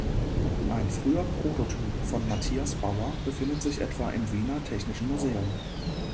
Ein früher Prototyp von Mathias Bauer befindet sich etwa im Wiener Technischen Museum.